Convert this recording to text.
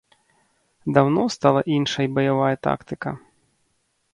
Даўно стала іншай баявая тактыка.